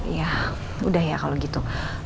ya udah ya kalau gitu